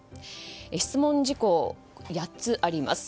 質問事項は８つあります。